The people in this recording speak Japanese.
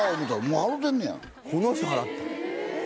この人払った。